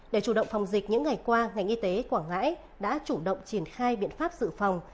để chủ động phòng dịch những ngày qua ngành y tế quảng ngãi đã chủ động triển khai biện pháp dự phòng